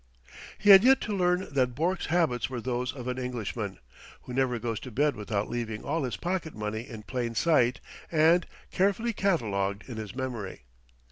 He had yet to learn that Bourke's habits were those of an Englishman, who never goes to bed without leaving all his pocket money in plain sight and carefully catalogued in his memory....